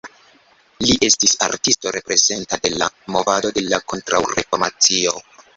Li estis artisto reprezenta de la movado de la Kontraŭreformacio.